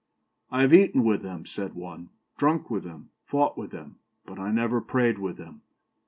'I have eaten with them,' said one, 'drunk with them, fought with them; but I never prayed with them.'